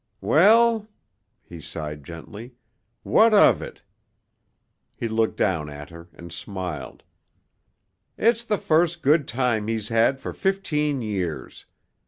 "Well," he sighed gently, "what of it?" He looked down at her and smiled. "It's the first good time he's had for fifteen years.